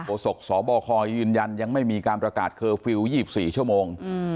สกสบคยืนยันยังไม่มีการประกาศเคอร์ฟิลล์๒๔ชั่วโมง